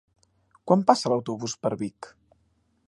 Quan passa l'autobús per Vic?